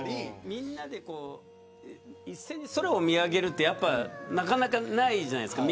みんなで一斉に空を見上げるってなかなかないじゃないですか。